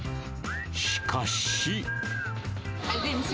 しかし。